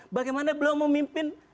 bagaimana beliau memimpin